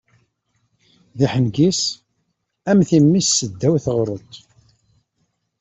D iḥenges am timmist seddaw teɣṛuḍt.